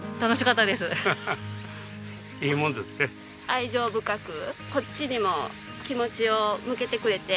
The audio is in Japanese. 愛情深くこっちにも気持ちを向けてくれて。